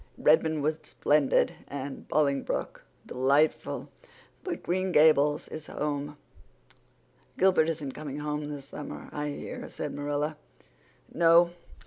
Redmond was splendid and Bolingbroke delightful—but Green Gables is home." "Gilbert isn't coming home this summer, I hear," said Marilla. "No."